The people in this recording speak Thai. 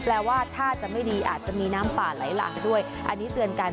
ว่าถ้าจะไม่ดีอาจจะมีน้ำป่าไหลหลากด้วยอันนี้เตือนกัน